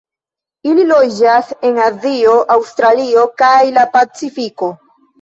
Ili loĝas en Azio, Aŭstralio kaj la Pacifiko.